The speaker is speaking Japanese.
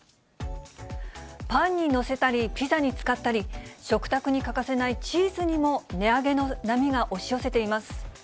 パンに載せたり、ピザに使ったり、食卓に欠かせないチーズにも値上げの波が押し寄せています。